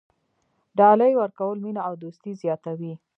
ډالۍ ورکول مینه او دوستي زیاتوي.